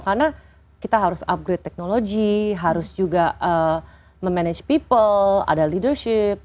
karena kita harus upgrade technology harus juga memanage people ada leadership